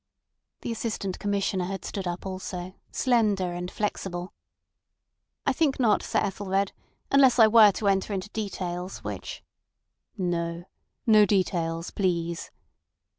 The Assistant Commissioner had stood up also, slender and flexible. "I think not, Sir Ethelred, unless I were to enter into details which—" "No. No details, please."